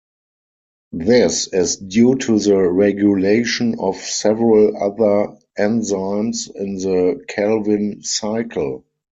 This is due to the regulation of several other enzymes in the Calvin cycle.